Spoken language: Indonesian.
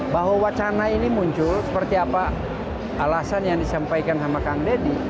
bahwa wacana ini muncul seperti apa alasan yang disampaikan sama kang deddy